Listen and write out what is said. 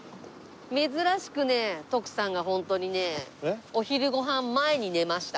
珍しくね徳さんがホントにねお昼ご飯前に寝ました。